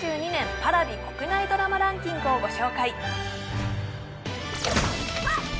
Ｐａｒａｖｉ国内ドラマランキングをご紹介